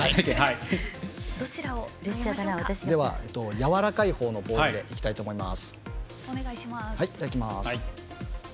やわらかいほうのボールでいきたいと思います。